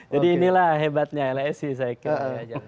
jadi inilah hebatnya lsi saya kira